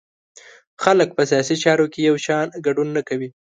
خلک په سیاسي چارو کې یو شان ګډون نه کوي.